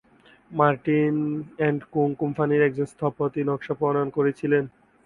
Martin and co কোম্পানির একজন স্থপতি এর নকশা প্রণয়ন করেছিলেন।